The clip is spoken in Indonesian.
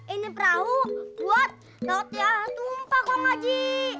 ini perahu buat bawa tiara tumpah kong haji